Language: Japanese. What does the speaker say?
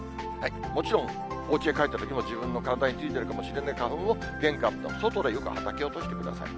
もちろん、お家へ帰ったときも、自分の体についているかもしれない花粉を玄関の外でよくはたき落としてください。